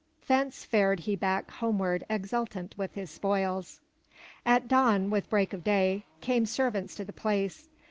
Thence fared he back home ward exultant with his spoils. At dawn, with break of day, came servants to the place.